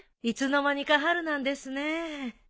いつの間にか春なんですねえ。